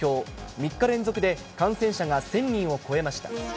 ３日連続で感染者が１０００人を超えました。